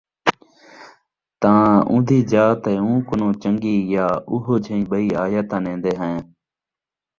تاں اُوندی جَاء تے اُوں کنوں چن٘ڳی یا اُوہو جَہی ٻَئی آیت اَنین٘دے ہَیں،